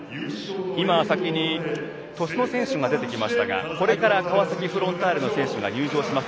先に鳥栖の選手が出てきましたがこれから川崎フロンターレの選手が入場します。